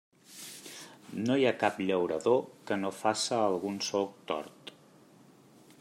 No hi ha cap llaurador que no faça algun solc tort.